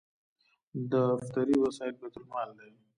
دفتري وسایل بیت المال دي